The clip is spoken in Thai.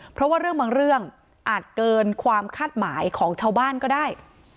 เพราะว่าเรื่องบางเรื่องอาจเกินความคาดหมายของชาวบ้านก็ได้